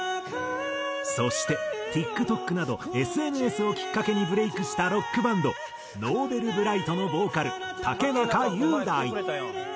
そしてＴｉｋＴｏｋなどＳＮＳをきっかけにブレイクしたロックバンドＮｏｖｅｌｂｒｉｇｈｔのボーカル竹中雄大。